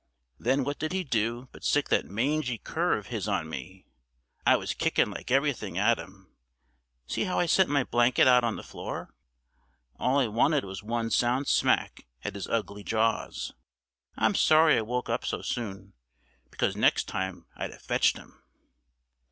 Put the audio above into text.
Then what did he do but sic that mangy cur of his on me. I was kickin' like everything at him. See how I sent my blanket out on the floor. All I wanted was one sound smack at his ugly jaws. I'm sorry I woke up so soon, because next time I'd have fetched him."